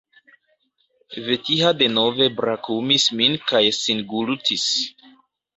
Vetiha denove brakumis min kaj singultis.